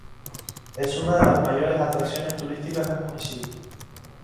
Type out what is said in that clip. Es una de las mayores atracciones turísticas del municipio.